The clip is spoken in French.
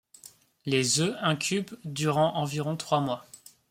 Les œufs incubent durant environ trois mois.